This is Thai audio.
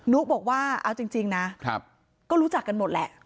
นุบอกว่าเอาจริงนะก็รู้จักกันหมดแหละ